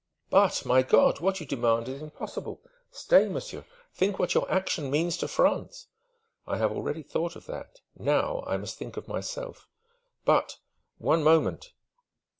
"But my God! what you demand is impossible! Stay, monsieur! Think what your action means to France!" "I have already thought of that. Now I must think of myself." "But one moment!"